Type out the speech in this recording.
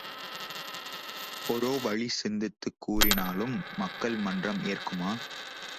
ஒரோ வழி சிந்தித்துக் கூறினாலும் மக்கள் மன்றம் ஏற்குமா?